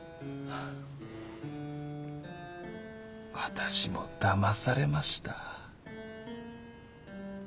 私もだまされました。